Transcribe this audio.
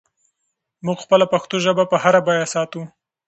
موږ خپله پښتو ژبه په هره بیه ساتو.